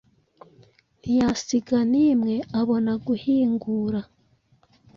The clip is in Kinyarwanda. ntiyasiga n'imwe, abona guhingura.